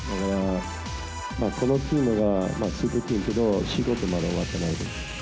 このチームは、スーパーチームだけど、仕事まだ終わってないです。